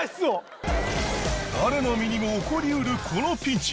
誰の身にも起こりうるこのピンチ！